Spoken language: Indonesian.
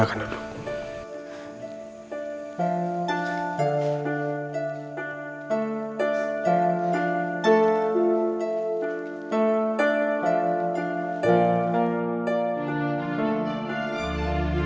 untuk membayarnya pelan pelan